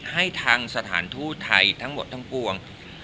ให้ทางธุรกิจไทยทั้งปวดทั้งปวง